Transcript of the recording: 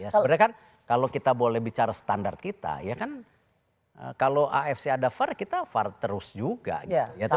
sebenarnya kan kalau kita boleh bicara standar kita ya kan kalau afc ada var kita far terus juga gitu ya